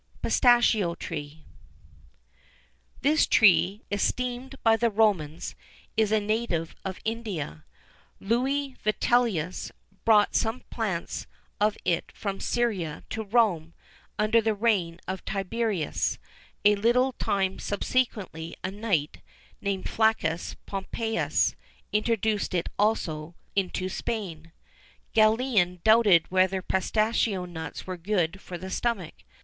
PISTACHIO TREE. This tree, esteemed by the Romans,[XIV 32] is a native of India.[XIV 33] Lucius Vitellius brought some plants of it from Syria to Rome, under the reign of Tiberius; a little time subsequently, a knight, named Flaccus Pompeius, introduced it also into Spain.[XIV 34] Galen doubted whether pistachio nuts were good for the stomach.